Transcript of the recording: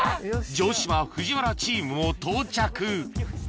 城島・藤原チームも到着